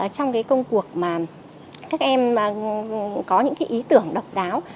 trong công cuộc mà các em có những ý tưởng độc đáo